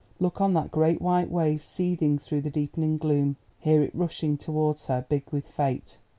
Look on that great white wave seething through the deepening gloom; hear it rushing towards her, big with fate.